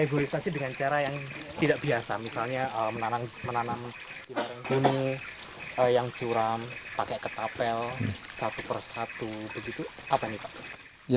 negosiasi dengan cara yang tidak biasa misalnya menanam gunung yang curam pakai ketapel satu persatu begitu apa nih pak